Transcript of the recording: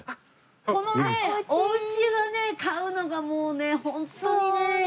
このねお家がね買うのがもうホントにね。